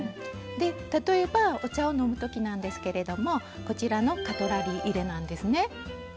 で例えばお茶を飲む時なんですけれどもこちらのカトラリー入れなんですね。